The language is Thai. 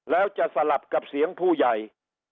แล้วจะสลับกับเสียงผู้ใหญ่